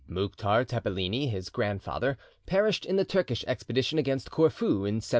Mouktar Tepeleni, his grandfather, perished in the Turkish expedition against Corfu, in 1716.